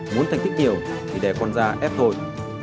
muốn thành tích nhiều thì để con da ép thôi